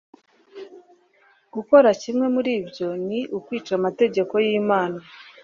gukora kimwe muri ibyo ni ukwica amategeko y'imana